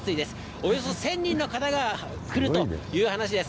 およそ１０００人の方が来るという話です。